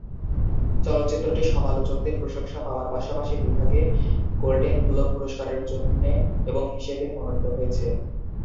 চলচ্চিত্রটি সমালোচকদের প্রশংসা পাওয়ার পাশাপাশি বিভাগে গোল্ডেন গ্লোব পুরস্কারের জন্যে এবং হিসেবে মনোনীত হয়েছে।